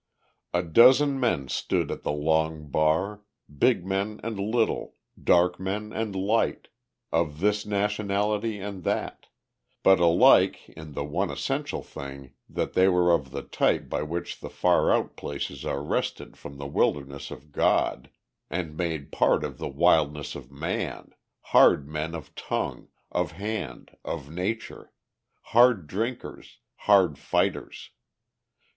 A dozen men stood at the long bar, big men and little, dark men and light, of this nationality and that, but alike in the one essential thing that they were of the type by which the far out places are wrested from the wilderness of God and made part of the wildness of man, hard men of tongue, of hand, of nature, hard drinkers, hard fighters.